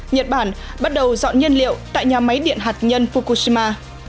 nhật bản bắt đầu dọn nhân liệu tại nhà máy điện hạt nhân fukushima